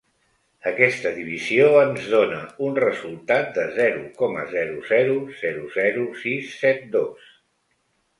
Aquesta divisió ens dóna un resultat de zero coma zero zero zero zero sis set dos.